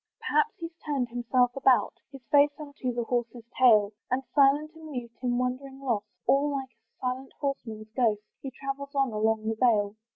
Perhaps he's turned himself about, His face unto his horse's tail, And still and mute, in wonder lost, All like a silent horseman ghost, He travels on along the vale.